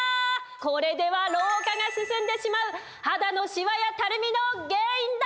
これでは老化が進んでしまう肌のシワやたるみの原因だ！